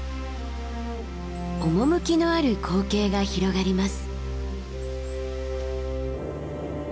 趣のある光景が広がります。